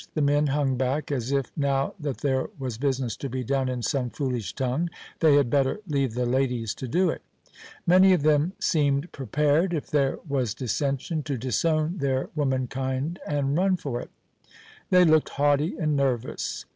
The men hung back, as if, now that there was business to be done in some foolish tongue, they had better leave the ladies to do it. Many of them seemed prepared, if there was dissension, to disown their womankind and run for it. They looked haughty and nervous.